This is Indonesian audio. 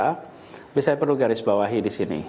tapi saya perlu garis bawahi di sini